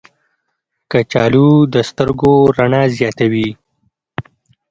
کچالو د سترګو رڼا زیاتوي.